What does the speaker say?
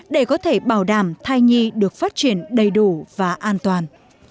để có thể bảo đảm thai nhi được phát triển đầy đủ và an toàn